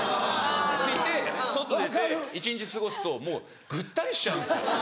着て外出て一日過ごすともうぐったりしちゃうんです。